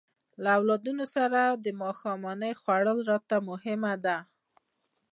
له اولادونو سره ماښامنۍ خوړل راته مهمه ده.